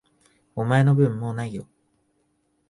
お前の分、もう無いよ。